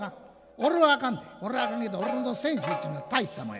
俺はあかんけど俺の先生っちゅうのは大したもんやで。